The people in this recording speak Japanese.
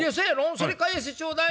それ返してちょうだい。